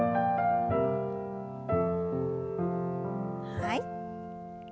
はい。